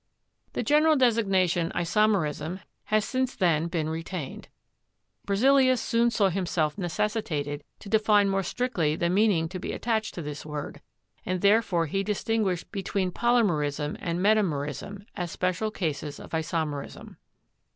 The general designation isomerism has since then been retained. Berzelius soon saw himself necessitated to de fine more strictly the meaning to be attached to this word, and therefore he distinguished between polymerism and metamerism, as special cases of isomerism.